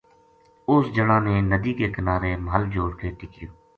اُس جنا نے ند ی کے کنارے محل جوڑ کے ٹکیو